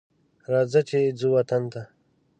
راځه چې ځو وطن ته